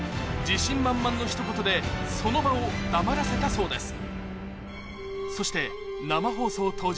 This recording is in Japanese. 自信満々のひと言でその場を黙らせたそうです